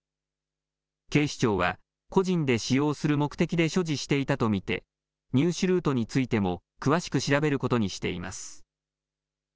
警視庁は個人で使用する目的で所持していたと見て入手ルートについても詳しく調べることにしています。